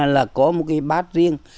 là có một cái bát riêng